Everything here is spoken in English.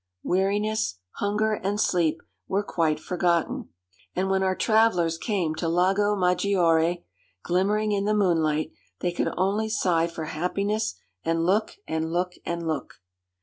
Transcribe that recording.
Weariness, hunger, and sleep were quite forgotten; and when our travellers came to Lago Maggiore, glimmering in the moonlight, they could only sigh for happiness, and look and look and look.